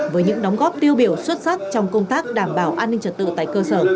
với những đóng góp tiêu biểu xuất sắc trong công tác đảm bảo an ninh trật tự tại cơ sở